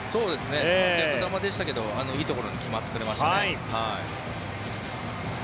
逆球でしたけどいいところに決まってくれましたね。